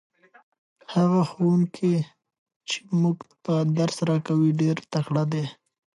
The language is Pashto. هغه ښوونکی چې موږ ته درس راکوي ډېر تکړه دی.